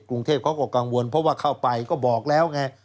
กรุงเทพเขาก็กังวลเพราะว่าเข้าไปก็บอกแล้วไง